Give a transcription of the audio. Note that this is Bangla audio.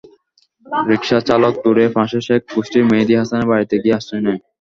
রিকশা চালক দৌড়ে পাশে শেখ গোষ্ঠির মেহেদী হাসানের বাড়িতে গিয়ে আশ্রয় নেন।